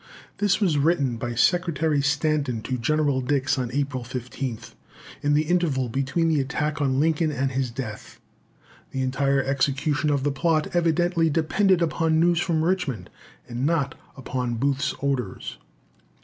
This was written by Secretary Stanton to General Dix on April 15th, in the interval between the attack on Lincoln and his death. The entire execution of the plot evidently depended upon news from Richmond, and not upon Booth's orders.